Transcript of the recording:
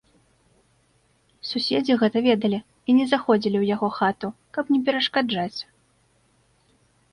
Суседзі гэта ведалі і не заходзілі ў яго хату, каб не перашкаджаць.